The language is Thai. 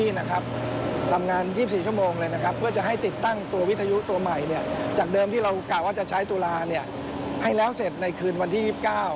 ให้แล้วเสร็จในคืนวันที่๒๙